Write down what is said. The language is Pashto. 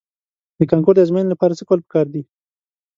د کانکور د ازموینې لپاره څه کول په کار دي؟